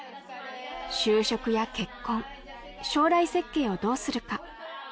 就職や結婚将来設計をどうするか？